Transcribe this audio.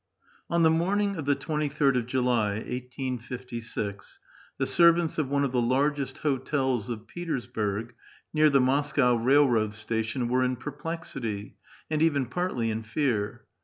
On the morning of the 23d of Jnly, 1856, the servants of one of the largest hotels of Petersburg, near the Moscow i*ailroad station, were in pei*plexity, and even partly in fear.